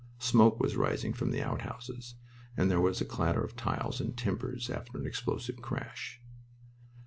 Smoke was rising from the outhouses, and there was a clatter of tiles and timbers, after an explosive crash.